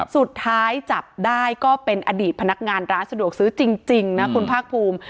สุดท้ายจับได้ก็เป็นอดีตพนักงานร้านสะดวกซื้อจริงนะคุณภาคภูมิ